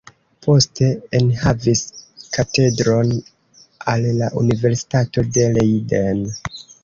Poste enhavis katedron al la universitato de Leiden.